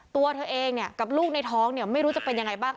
ตัวเธอเองกับลูกในท้องไม่รู้จะเป็นอย่างไรบ้าง